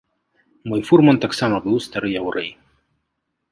Мой фурман таксама быў стары яўрэй.